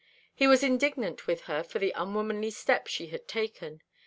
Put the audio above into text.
He was indignant with her for the unwomanly step she had taken.